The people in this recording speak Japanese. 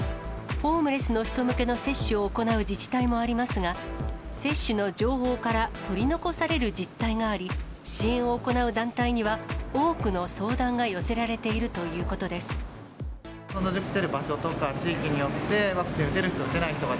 ホームレスの人たち向けの接種を行う自治体もありますが、接種の情報から取り残される実態があり、支援を行う団体には多くの相談が寄せられているということです。